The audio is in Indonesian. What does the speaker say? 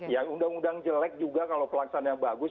yang undang undang jelek juga kalau pelaksanaan bagus